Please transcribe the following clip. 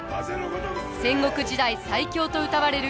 戦国時代最強とうたわれる武田信玄。